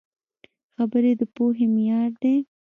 خبرې د پوهې معیار دي